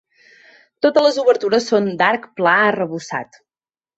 Totes les obertures són d'arc pla arrebossat.